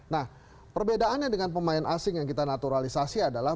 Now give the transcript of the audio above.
nah perbedaannya dengan pemain asing yang kita naturalisasi adalah